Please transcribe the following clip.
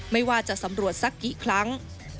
ไม่ว่าจะสำรวจสักกี่ครั้ง